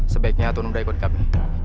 sebaiknya tuhan muda ikut kami